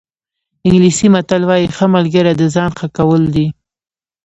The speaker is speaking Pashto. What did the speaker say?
انګلیسي متل وایي ښه ملګری د ځان ښه کول دي.